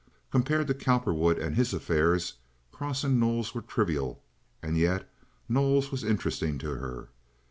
Compared to Cowperwood and his affairs, Cross and Knowles were trivial, and yet Knowles was interesting to her.